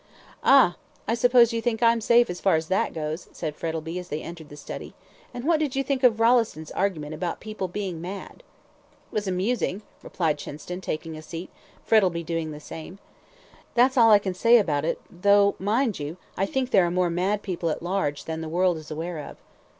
"Ah! I suppose you think I'm safe as far as that goes," said Frettlby, as they entered the study; "and what did you think of Rolleston's argument about people being mad?" "It was amusing," replied Chinston, taking a seat, Frettlby doing the same. "That's all I can say about it, though, mind you, I think there are more mad people at large than the world is aware of."